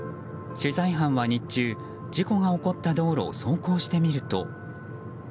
取材班は日中事故が起こった道路を走行してみると。